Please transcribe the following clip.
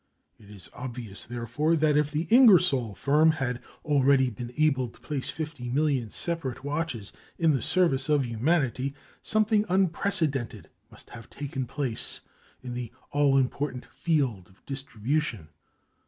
It is obvious, therefore, that if the Ingersoll firm has already been able to place fifty million separate watches in the service of humanity, something unprecedented must have taken place in the all important field of distribution.